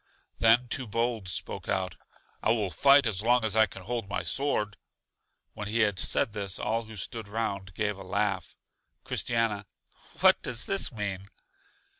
Then Too bold spoke out: I will fight as long as I can hold my sword. When he had said this all who stood round gave a laugh. Christiana: 'What does this mean?